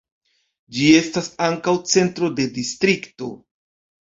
Ĝi estas ankaŭ centro de distrikto.